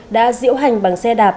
đã diễu hành bằng xe đạp